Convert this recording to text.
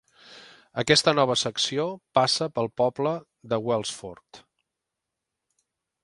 Aquesta nova secció passa pel poble de Welsford.